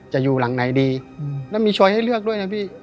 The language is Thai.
จะอยู่หลังไหนดีแล้วมีโชว์ให้เลือกด้วยนะพี่